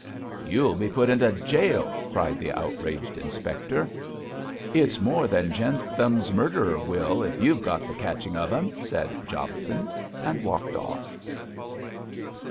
'You'll be put into jail,' cried the outraged inspector. 'It's more than Jentham's murderer will if you've got the catching of him,' said Jobson, and walked off.